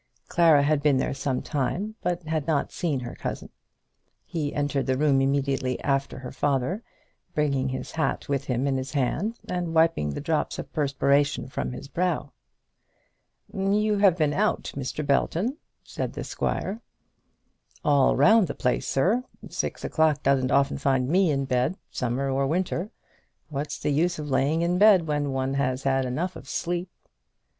Clara had been there some time, but had not seen her cousin. He entered the room immediately after her father, bringing his hat with him in his hand, and wiping the drops of perspiration from his brow. "You have been out, Mr. Belton," said the squire. "All round the place, sir. Six o'clock doesn't often find me in bed, summer or winter. What's the use of laying in bed when one has had enough of sleep?"